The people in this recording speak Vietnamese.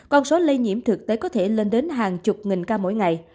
con số lây nhiễm thực tế có thể lên đến hàng chục nghìn ca mỗi ngày